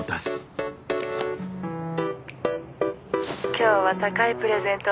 今日は高いプレゼント